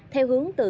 theo hướng tự an